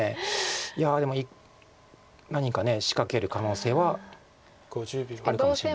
いやでも何か仕掛ける可能性はあるかもしれないです。